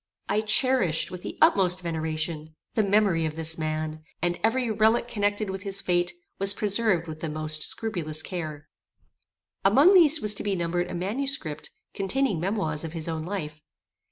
I cherished, with the utmost veneration, the memory of this man, and every relique connected with his fate was preserved with the most scrupulous care. Among these was to be numbered a manuscript, containing memoirs of his own life.